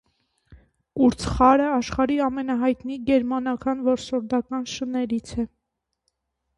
Կուրցխարը աշխարհի ամենահայտնի գերմանական որսորդական շներից է։